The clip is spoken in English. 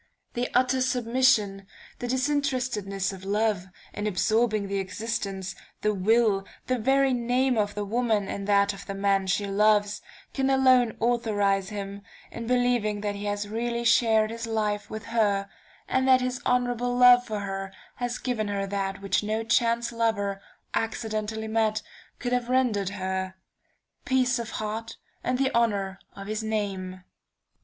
The utter submission, the disinterestedness of love, in absorbing the existence, the will, the very name of the woman in that of the man she loves, can alone authorize him in believing that he has really shared his life with her, and that his honorable love for her has given her that which no chance lover, accidentally met, could have rendered her: peace of heart and the honor of his name.